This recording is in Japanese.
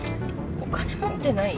お金持ってない！？